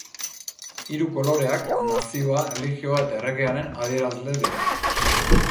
Hiru koloreak Nazioa, Erlijioa eta Erregearen adierazle dira.